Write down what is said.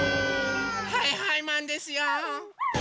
はいはいマンですよ！